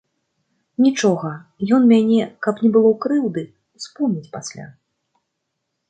Нічога, ён мяне, каб не было крыўды, успомніць пасля.